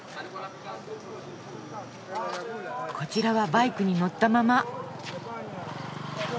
こちらはバイクに乗ったまま。